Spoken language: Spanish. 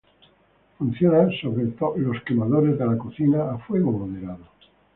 Funciona sobre los quemadores de la cocina a fuego moderado.